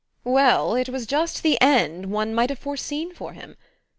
Well it was just the end one might have foreseen for him.